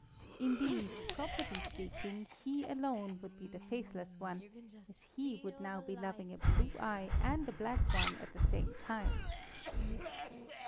Indeed, properly speaking, he alone would be the faithless one, as he would now be loving a blue eye and a black one at the same time.